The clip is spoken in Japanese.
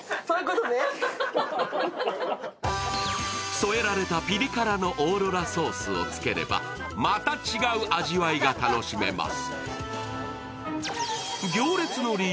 添えられたピリ辛のオーロラソースをつければまた違う味わいが楽しめます。